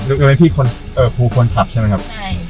หรือเป็นพี่คนเอ่อครูคนทัพใช่ไหมครับ